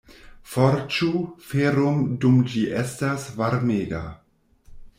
Forĝu feron dum ĝi estas varmega.